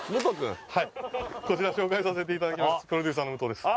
こちら紹介させていただきます